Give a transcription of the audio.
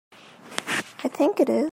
I think it is.